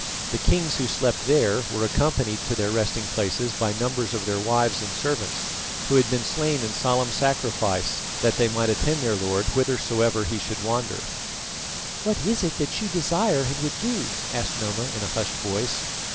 The kings who slept there were accompanied to their resting places by numbers of their wives and servants, who had been slain in solemn sacrifice that they might attend their Lord whithersoever he should wander. "What is that you desire and would do?" asked Noma, in a hushed voice.